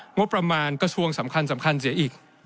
งบประมาณกระทรวงสำคัญเสียอีก